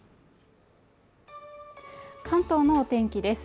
関東のお天気です